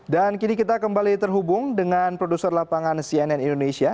dan kini kita kembali terhubung dengan produser lapangan cnn indonesia